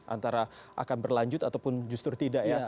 antara akan berlanjut ataupun justru tidak ya